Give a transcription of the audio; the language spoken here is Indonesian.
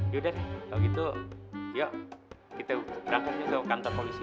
yaudah deh kalau gitu yuk kita berangkatnya ke kantor polisi